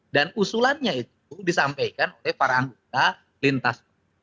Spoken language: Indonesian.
dan usulannya itu disampaikan oleh para anggota lintas